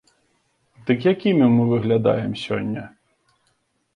Дык якімі мы выглядаем сёння?